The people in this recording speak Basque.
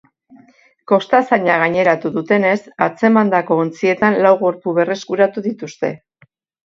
Kostazainak gaineratu dutenez, atzemandako ontzietan lau gorpu berreskuratu dituzte.